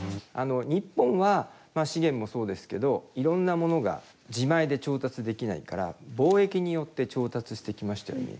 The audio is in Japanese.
日本はまあ資源もそうですけどいろんなものが自前で調達できないから貿易によって調達してきましたよね。